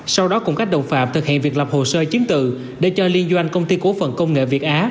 sau đó cùng các đồng phạm thực hiện việc lập hồ sơ chứng từ để cho liên doanh công ty cổ phần công nghệ việt á